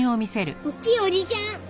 おっきいおじちゃん！